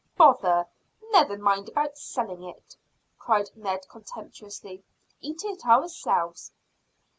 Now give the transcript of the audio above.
"Bother! Never mind about selling it," cried Ned contemptuously. "Eat it ourselves."